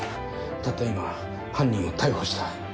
たった今犯人を逮捕した。